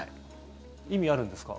意味あるんですか？